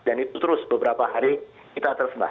dan itu terus beberapa hari kita tersembah